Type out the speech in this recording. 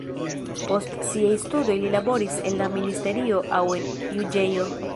Post siaj studoj li laboris en la ministerio aŭ en juĝejo.